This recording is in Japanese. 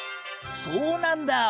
そうなんだ！